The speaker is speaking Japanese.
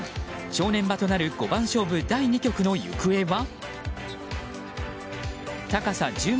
正念場となる五番勝負第２局の行方は？